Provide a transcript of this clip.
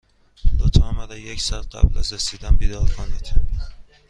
لطفا مرا یک ساعت قبل از رسیدن بیدار کنید.